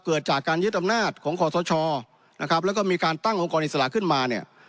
เกิดจากการยึดอำนาจของขอสชนะครับแล้วก็มีการตั้งองค์กรอิสระขึ้นมาเนี่ย